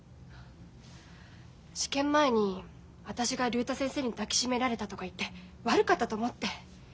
試験前に私が竜太先生に抱きしめられたとか言って悪かったと思って。